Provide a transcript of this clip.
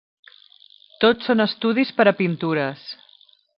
Tot són estudis per a pintures.